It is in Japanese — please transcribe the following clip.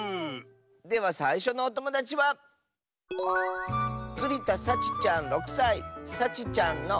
ではさいしょのおともだちはさちちゃんの。